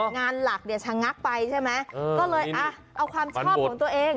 งานหลักเนี่ยชะงักไปใช่ไหมก็เลยอ่ะเอาความชอบของตัวเอง